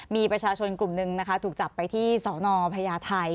มีประชาชนกลุ่มหนึ่งนะคะถูกจับไปที่สนพญาไทย